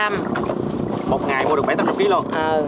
một ngày mua được bảy mươi tám mươi ký luôn